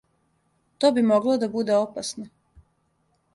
То би могло да буде опасно.